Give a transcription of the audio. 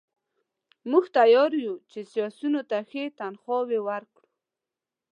موږ تیار یو چې سیاسیونو ته ښې تنخواوې ورکړو.